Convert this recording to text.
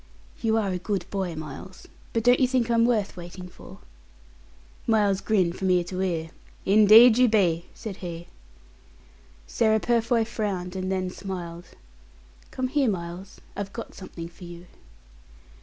"You are a good boy, Miles; but don't you think I'm worth waiting for?" Miles grinned from ear to ear. "Indeed you be," said he. Sarah Purfoy frowned, and then smiled. "Come here, Miles; I've got something for you."